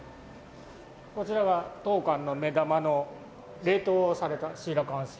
こちらは当館の目玉の冷凍されたシーラカンス標本ですね。